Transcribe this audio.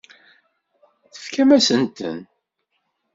Tfakemt-asen-ten.